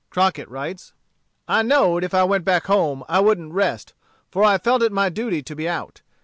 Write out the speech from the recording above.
Crockett writes: "I know'd if I went back home I wouldn't rest for I felt it my duty to be out.